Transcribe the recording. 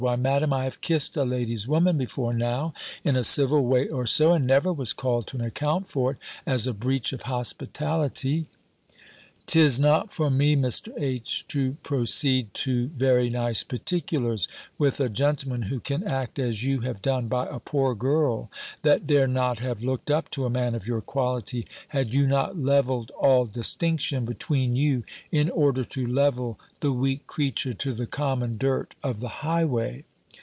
Why, Madam, I have kiss'd a lady's woman before now, in a civil way or so, and never was called to an account for it, as a breach of hospitality." "Tis not for me, Mr. H., to proceed to _very nice _particulars with a gentleman who can act as you have done, by a poor girl, that dare not have looked up to a man of your quality, had you not levelled all distinction between you in order to level the weak creature to the common dirt of the highway.